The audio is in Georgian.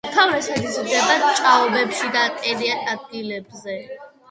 უმთავრესად იზრდება ჭაობებში და ტენიან ადგილებზე.